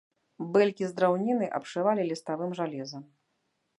Бэлькі з драўніны абшывалі ліставым жалезам.